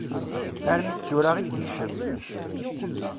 Armi d tura i d-ikcem.